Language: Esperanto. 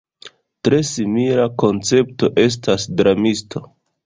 Tre simila koncepto estas dramisto.